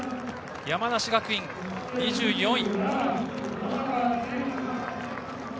山梨学院、２４位。